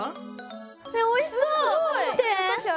ねおいしそう！